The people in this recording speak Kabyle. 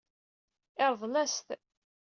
Yeṛḍel-as-t.